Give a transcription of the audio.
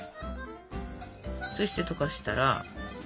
そして溶かしたら。